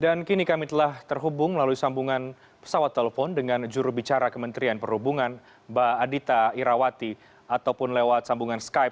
dan kini kami telah terhubung melalui sambungan pesawat telepon dengan jurubicara kementerian perhubungan mbak adita irawati ataupun lewat sambungan skype